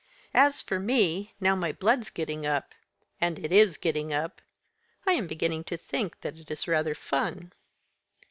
As for me, now my blood's getting up and it is getting up I am beginning to think that it is rather fun."